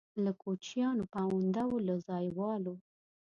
له کوچیانو پونده وو له ځایوالو.